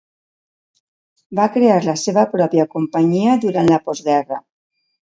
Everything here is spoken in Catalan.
Va crear la seva pròpia companyia durant la postguerra.